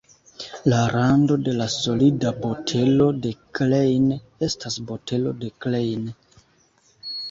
La rando de la solida botelo de Klein estas botelo de Klein.